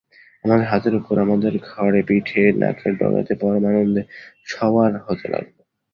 আমাদের হাতের ওপর, আমাদের ঘাড়ে-পিঠে, নাকের ডগাতে, পরম আনন্দে সওয়ার হতে লাগল।